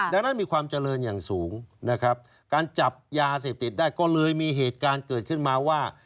ดังนั้นมีความเจริญอย่างสูงนะครับการจับยาเสพติดได้ก็เลยมีเหตุการณ์เกิดขึ้นมาว่า